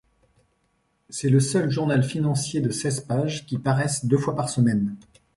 C'est le seul journal financier de seize pages qui paraisse deux fois par semaine.